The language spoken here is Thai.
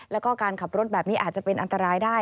แล้วก็การขับรถแบบนี้อาจจะเป็นอันตรายได้